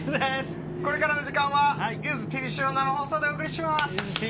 これからの時間は「ゆずＴＶショウ」を生放送でお送りします！